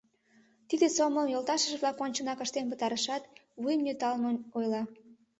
Тиде сомылым йолташыж-влак ончылнак ыштен пытарышат, вуйым нӧлталын ойла: